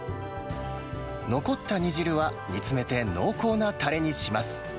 残った煮汁は煮詰めて濃厚なたれにします。